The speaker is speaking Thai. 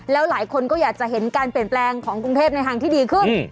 แล้วหลายคนก็อยากจะเห็นการเปลี่ยนแปลงของกรุงเทพในทางที่ดีขึ้น